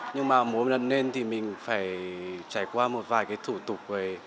nhưng mà mỗi lần lên thì mình phải trải qua một vài cái thủ tục